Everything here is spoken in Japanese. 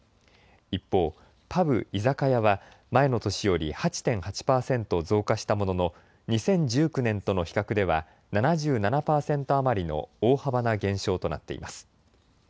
一方、パブ・居酒屋は、前の年より８．８％増加したものの、２０１９年との比較では７７％余りの大幅な減少となっています。